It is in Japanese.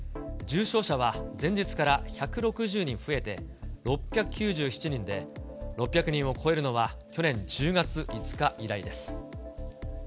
重症者は前日から１６０人増えて、６９７人で、６００人を超えるのは、去年１０月５日以来です。